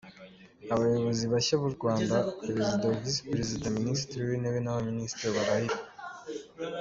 Abayobozi bashya b’u Rwanda, Perezida, Visi-Perezida, Minisitiri w’Intebe n’Abaminisitiri bararahira.